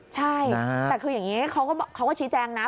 ใช่แต่คืออย่างนี้เขาก็ชี้แจงนะ